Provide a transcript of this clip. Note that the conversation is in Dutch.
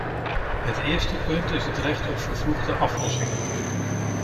Het eerste punt is het recht op vervroegde aflossingen.